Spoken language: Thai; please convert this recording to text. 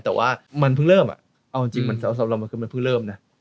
แต่ว่ามันเพิ่งเริ่มเอาจริงมันสำหรับเรามันคือมันเพิ่งเริ่มนะ